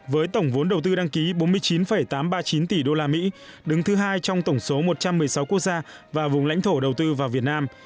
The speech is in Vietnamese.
với tổng vốn đầu tư đăng ký bốn mươi chín tám trăm ba mươi chín tỷ usd đứng thứ hai trong tổng số một trăm một mươi sáu quốc gia và vùng lãnh thổ đầu tư vào việt nam